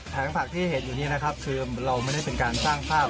ผักที่เห็นอยู่นี้นะครับคือเราไม่ได้เป็นการสร้างภาพ